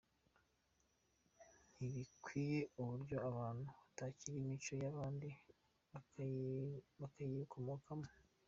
Ntibikwiye uburyo abantu batakira imico y’ahandi n’abayikomokamo.